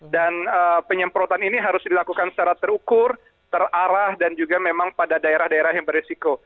dan penyemprotan ini harus dilakukan secara terukur terarah dan juga memang pada daerah daerah yang beresiko